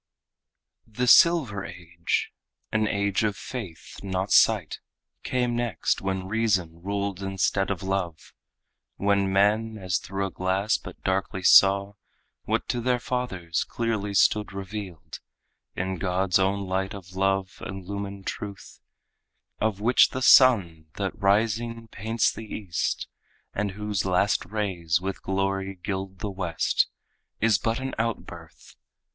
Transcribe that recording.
The silver age an age of faith, not sight Came next, when reason ruled instead of love; When men as through a glass but darkly saw What to their fathers clearly stood revealed In God's own light of love illumined truth, Of which the sun that rising paints the east, And whose last rays with glory gild the west, Is but an outbirth.